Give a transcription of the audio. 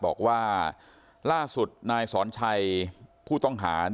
บอกว่าล่าสุดนายสอนชัยผู้ต้องหา